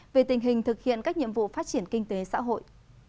về tình hình thực hiện các nhiệm vụ phát triển kinh tế xã hội